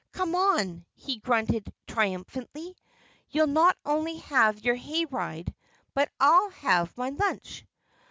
"Come ON!" he grunted triumphantly. "You'll not only have your hay ride, but I'll have my lunch!"